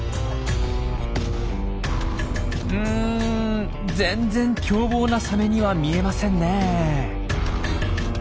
うん全然凶暴なサメには見えませんねえ。